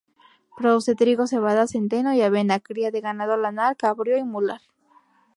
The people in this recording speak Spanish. Produce trigo, cebada, centeno y avena; cría de ganado lanar, cabrio y mular.